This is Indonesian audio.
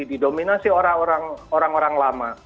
didominasi orang orang lama